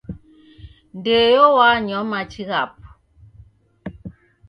Ndeyo wanywa machi ghapo.